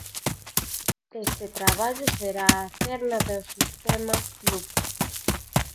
Este traballo será a cerna do sistema Lupo.